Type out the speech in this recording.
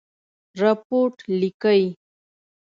رپوټ لیکئ؟